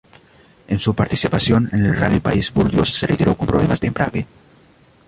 En su participación en el rally París-Burdeos, se retiró con problemas de embrague.